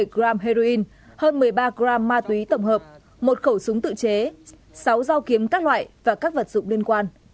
một mươi gram heroin hơn một mươi ba gram ma túy tổng hợp một khẩu súng tự chế sáu dao kiếm các loại và các vật dụng liên quan